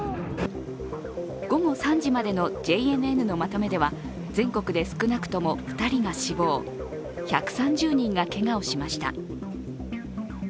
午後３時までのＪＮＮのまとめでは全国で少なくとも２人が死亡１３０人がけがをしました。